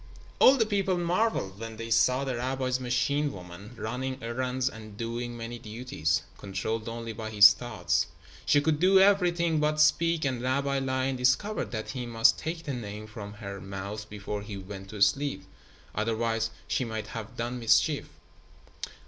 All the people marveled when they saw the rabbi's machine woman running errands and doing many duties, controlled only by his thoughts. She could do everything but speak, and Rabbi Lion discovered that he must take the Name from her mouth before he went to sleep. Otherwise, she might have done mischief.